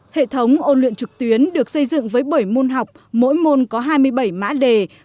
hệ thống ôn luyện trực tuyến được xây dựng với bảy môn học mỗi môn có hai mươi bảy mã đề